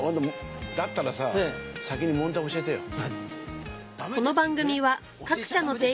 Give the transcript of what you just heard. だったらさ先に問題教えてよ。